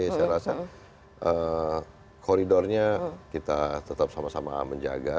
saya rasa koridornya kita tetap sama sama menjaga